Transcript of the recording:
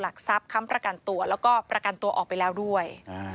ทรัพย์ค้ำประกันตัวแล้วก็ประกันตัวออกไปแล้วด้วย